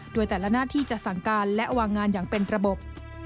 โดยแต่ละหน้าที่จะสั่งการและวางงานอย่างเป็นระบบ